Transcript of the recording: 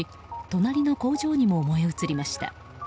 隣の工場にも燃え移りました。